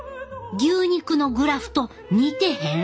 牛肉のグラフと似てへん？